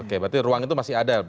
oke berarti ruang itu masih ada